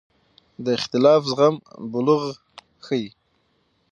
د اختلاف زغم بلوغ ښيي